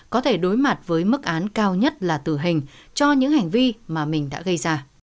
có thể đối mặt với mức án cao nhất là tử hình cho những hành vi mà mình đã gây ra